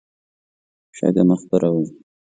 شګه مه خپروئ.